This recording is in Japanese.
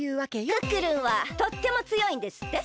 クックルンはとってもつよいんですって？